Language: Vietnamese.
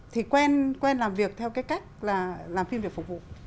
thì quen làm việc theo cách làm phim việc phục vụ